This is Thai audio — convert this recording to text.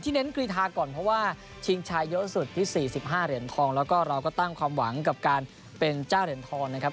เน้นกรีธาก่อนเพราะว่าชิงชายเยอะสุดที่๔๕เหรียญทองแล้วก็เราก็ตั้งความหวังกับการเป็นเจ้าเหรียญทองนะครับ